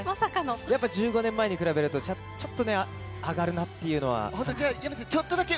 １５年前に比べるとちょっと上がるなぁというのは。